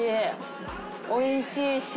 おいしい。